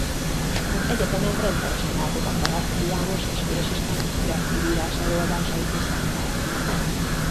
Az egyetemen rendszeresen látogatta Lackfi János és Vörös István kreatív írás előadásait és szemináriumait.